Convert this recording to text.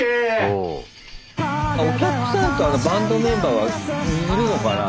お客さんとバンドメンバーはいるのかな？